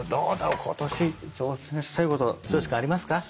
今年挑戦したいこと剛君ありますか？